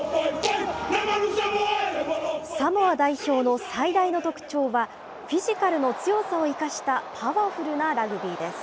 サモア代表の最大の特徴は、フィジカルの強さを生かしたパワフルなラグビーです。